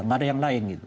tidak ada yang lain